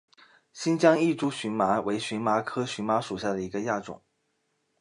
新疆异株荨麻为荨麻科荨麻属下的一个亚种。